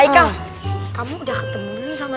kita aja kebanyakan menegur dia pasti krista